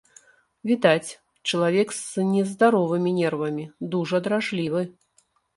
Відаць, чалавек з нездаровымі нервамі, дужа дражлівы.